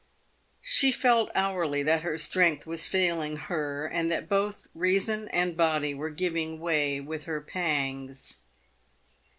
She felt hourly that her strength was failing her, and that both reason and body were giving way with her pangs.